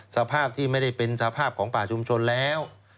สภาพที่ไม่ได้เป็นสภาพของป่าชุมชนแล้ว